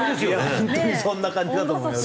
本当にそんな感じだと思います。